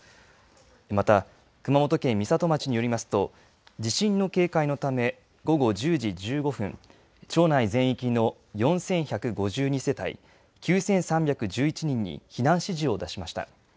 また熊本県美里町によりますと地震の警戒のため、午後１０時１５分町内全域の４１５２世帯、９３１１人に避難指示を出しました。